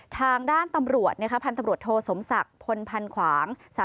ทางด้านตำรวจพันธุ์ตำรวจโทสมศักดิ์พลพันขวาง